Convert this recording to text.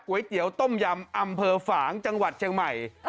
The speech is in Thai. เตี๋ยวต้มยำอำเภอฝางจังหวัดเชียงใหม่